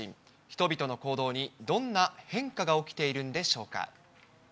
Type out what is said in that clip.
人々の行動にどんな変化が起きているんでしょうか。